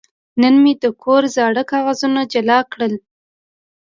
نن مې د کور زاړه کاغذونه جلا کړل.